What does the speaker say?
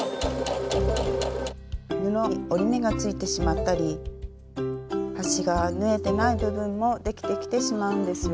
布に折り目がついてしまったり端が縫えてない部分もできてきてしまうんですよ。